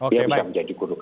dia bisa menjadi guru